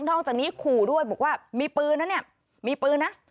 นอกจากนี้ขู่ด้วยบอกว่ามีปืนนะเนี่ยมีปืนนะ